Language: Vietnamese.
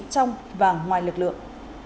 trong và ngoài lực lượng